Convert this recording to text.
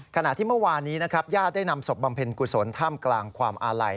ขณะที่เมื่อวานนี้นะครับญาติได้นำศพบำเพ็ญกุศลท่ามกลางความอาลัย